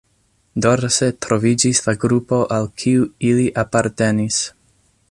Dorse troviĝis la grupo al kiu ili apartenis.